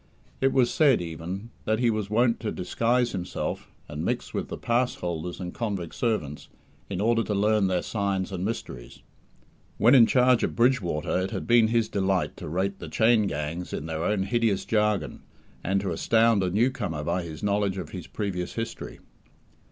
It was said, even, that he was wont to disguise himself, and mix with the pass holders and convict servants, in order to learn their signs and mysteries. When in charge at Bridgewater it had been his delight to rate the chain gangs in their own hideous jargon, and to astound a new comer by his knowledge of his previous history.